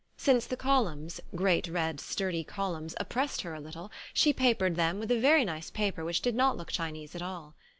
Since the columns, great red sturdy columns, oppressed her a little she papered them with a very nice paper which did not look Chinese at all.